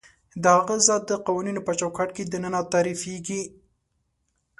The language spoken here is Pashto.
د هغه ذات د قوانینو په چوکاټ کې دننه تعریفېږي.